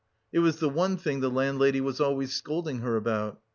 It was the one thing the landlady was always scolding her about.